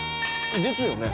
ですよね？